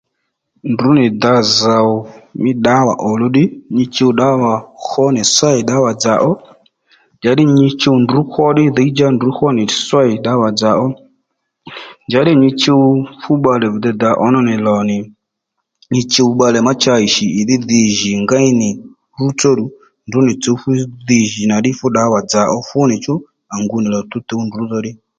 Ndrǔ nì dǎ zòw mí ddǎwà òluw ddí nyi chuw ddǎwà hwo nì swêy ddǎwà-dzà ó njàddí nyi chuw ddí ndrǔ hwó ddí dhǐy-djá ndrǔ hwó nì swêy ddǎwà-dzà ó njǎddǐ nyi chuw fú bbalè bì dey dǎ ǒmá nì lò nì nyi chuw bbalè má cha ì shì ìdhí dhi jì ngéy nì rútsó ddù ndrǔ nì tsǔw fú dhi jì nà ddí fú ddǎwà-dzà fúnìchú à ngu nì l`o tǔwtǔw ndrǔ dho ddí